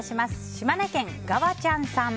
島根県の方。